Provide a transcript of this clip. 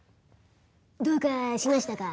「どうかしましたか？」